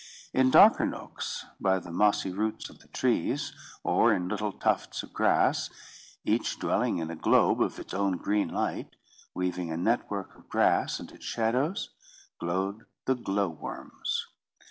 In darker nooks, by the mossy roots of the trees, or in little tufts of grass, each dwelling in a globe of its own green light, weaving a network of grass and its shadows, glowed the glowworms.